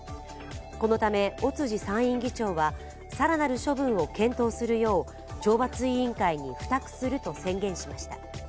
このため、尾辻参院議長は更なる処分を検討するよう懲罰委員会に付託すると宣言しました。